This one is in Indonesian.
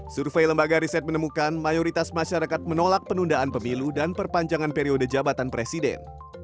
survei lembaga riset menemukan mayoritas masyarakat menolak penundaan pemilu dan perpanjangan periode jabatan presiden